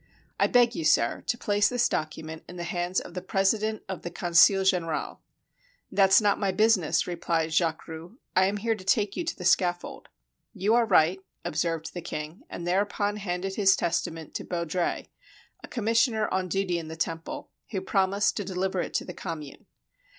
"I beg you, sir, to place this document in the hands of the President of the Conseil General." "That's not my business," replied Jacques Roux; "I am here to take you to the scaffold." "You are right," observed the king, and thereupon handed his testament to Baudrais, a commissioner on duty in the Temple, who promised to deliver it to the Commune.